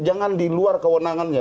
jangan di luar kewenangannya